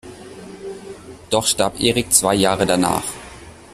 Doch starb Erik zwei Jahre danach.